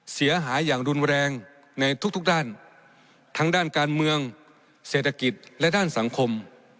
เสียหายอย่างรุนแรงในทุกทุกด้านทั้งด้านการเมืองเศรษฐกิจและด้านสังคม